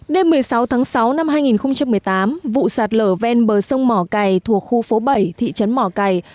đêm một mươi sáu tháng sáu năm hai nghìn một mươi tám vụ sạt lở ven bờ sông mỏ cài thuộc khu phố bảy thị trấn mỏ cày